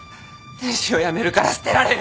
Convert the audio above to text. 天使をやめるから捨てられる！